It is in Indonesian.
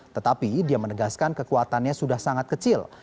tetapi dia menegaskan kekuatannya sudah sangat kecil